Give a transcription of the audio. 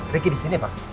ricky disini pak